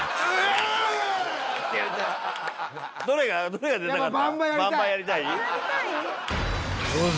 どれが出たかった？